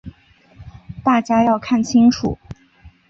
大家要看清楚。